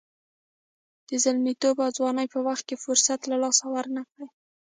د زلمیتوب او ځوانۍ په وخت کې فرصت له لاسه ورنه کړئ.